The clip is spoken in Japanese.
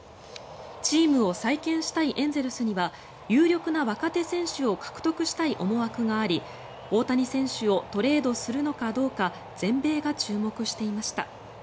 チームを再建したいエンゼルスには有力な若手選手を獲得したい思惑があり大谷選手をトレードするのかどうか全米が注目していました。